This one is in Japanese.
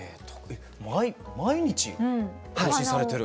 毎日更新されてる？